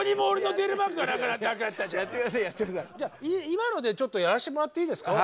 今のでちょっとやらしてもらっていいですか？